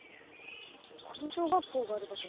この小学校がある場所